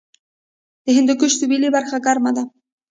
د هندوکش سویلي برخه ګرمه ده